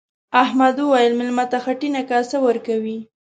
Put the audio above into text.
احمد وويل: مېلمه ته خټینه کاسه ورکوي.